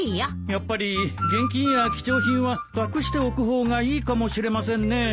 やっぱり現金や貴重品は隠しておく方がいいかもしれませんね。